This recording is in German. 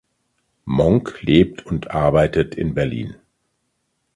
Monk lebt und arbeitet in Berlin.